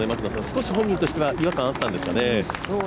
少し本人としては違和感あったんでしょうかね。